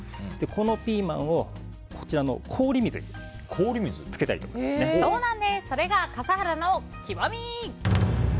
このピーマンをこちらの氷水にそれが笠原の極み！